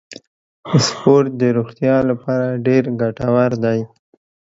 سپورت د روغتیا لپاره ډیر ګټور دی.